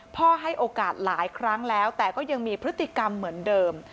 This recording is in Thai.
ให้โอกาสหลายครั้งแล้วแต่ก็ยังมีพฤติกรรมเหมือนเดิม